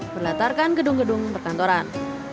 berlatarkan gedung gedung perkantoran